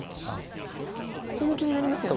ここも気になりますよね。